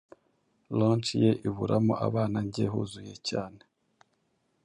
Launch ye iburamo abana njye huzuye cyane